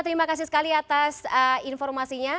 terima kasih sekali atas informasinya